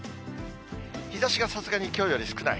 日ざしがさすがにきょうより少ない。